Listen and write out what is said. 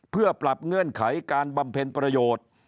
เพื่อปรับเงื่อนไขการบำเพ็ญประโยชน์